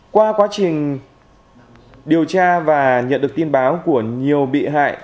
qua quá trình điều tra và nhận được tin báo của nhiều bị hại